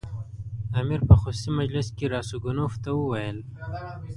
امیر په خصوصي مجلس کې راسګونوف ته وویل.